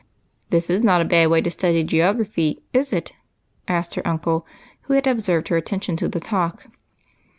" This is not a bad way to study geography, is it ?" asked her uncle, who had observed her attention to the talk.